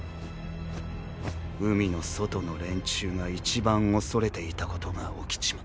海の外の連中が一番恐れていたことが起きちまった。